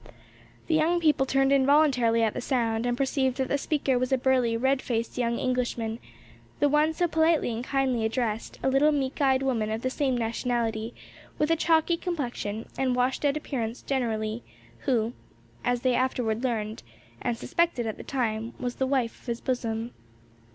The young people turned involuntarily at the sound, and perceived that the speaker was a burly, red faced young Englishman; the one so politely and kindly addressed, a little meek eyed woman of the same nationality, with a chalky complexion, and washed out appearance generally, who, as they afterward learned, and suspected at the time, was the wife of his bosom.